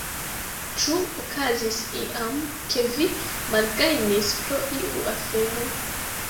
Ĉu okazis iam, ke vi malgajnis pro iu afero?